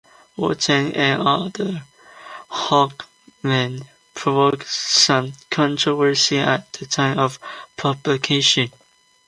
Vultan and the other Hawkmen provoked some controversy at the time of publication.